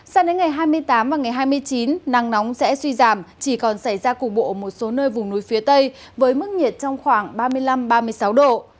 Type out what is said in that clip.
sao đến ngày hai mươi tám và ngày hai mươi chín nắng nóng sẽ suy giảm chỉ còn xảy ra cục bộ ở một số nơi vùng núi phía tây với mức nhiệt trong khoảng ba mươi năm ba mươi sáu độ